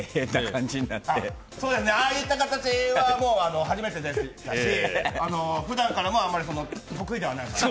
ああいった形は初めてでしたし普段からも得意ではない。